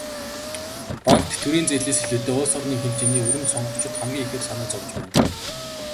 Банк, тэтгэврийн зээлээс илүүтэй улс орны хэмжээний өрөнд сонгогчид хамгийн ихээр санаа зовж байна.